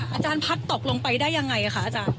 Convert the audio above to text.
อาจารย์พัดตกลงไปได้ยังไงคะอาจารย์